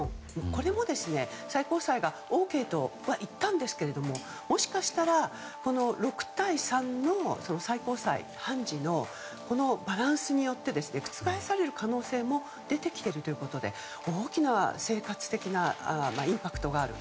これも最高裁がＯＫといったんですけどもしかしたら、６対３の最高裁判事のバランスによって覆される可能性も出てきているということで大きな生活的なインパクトがある。